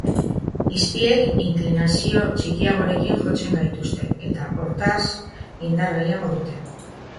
Izpiek inklinazio txikiagorekin jotzen gaituzte, eta, hortaz, indar gehiago dute.